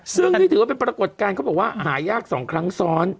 ซึ่งนี่ถือว่าเป็นปรากฏการณ์เขาบอกว่าหายาก๒ครั้งซ้อน